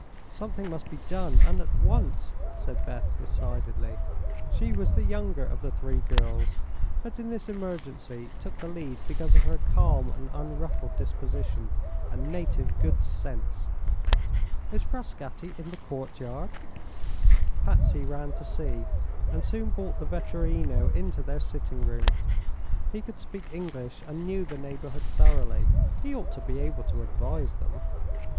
"Something must be done, and at once," said Beth, decidedly. She was the younger of the three girls, but in this emergency took the lead because of her calm and unruffled disposition and native good sense. "Is Frascatti in the courtyard?" Patsy ran to see, and soon brought the vetturino into their sitting room. He could speak English and knew the neighborhood thoroughly. He ought to be able to advise them.